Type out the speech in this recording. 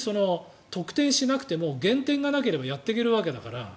得点しなくても減点がなければやっていけるわけだから。